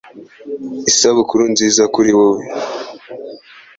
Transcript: Isabukuru nziza kuri wowe